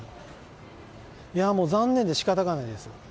いや、もう残念でしかたがないです。